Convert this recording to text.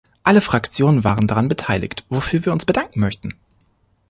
Alle Fraktionen waren daran beteiligt, wofür wir uns bedanken möchten.